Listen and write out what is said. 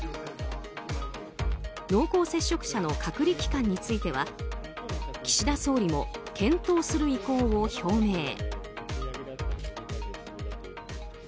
濃厚接触者の隔離期間については岸田総理も検討する意向を表明。